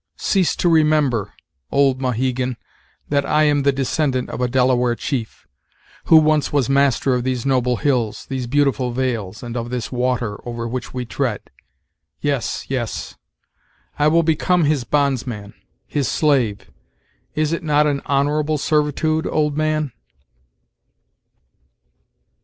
Cease to remember, old Mohegan, that I am the descendant of a Delaware chief, who once was master of these noble hills, these beautiful vales, and of this water, over which we tread. Yes, yes; I will become his bonds man his slave, Is it not an honorable servitude, old man?"